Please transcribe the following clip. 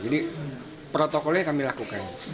jadi protokolnya kami lakukan